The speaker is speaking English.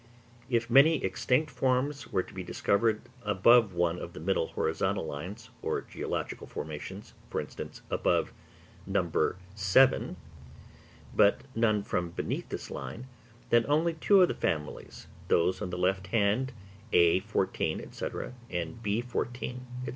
If many extinct forms were to be discovered above one of the middle horizontal lines or geological formations—for instance, above No. VI.—but none from beneath this line, then only two of the families (those on the left hand _a_14, &c., and _b_14, &c.)